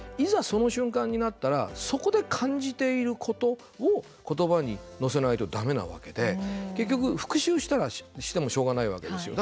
その瞬間になったらそこで感じていることをことばに乗せないとだめなわけで結局、復習してもしょうがないわけですよ。